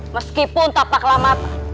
meskipun tak paklamata